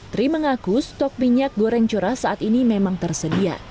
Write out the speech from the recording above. tri mengaku stok minyak goreng curah saat ini memang tersedia